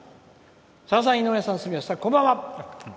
「さださん、井上さん住吉さん、こんばんは。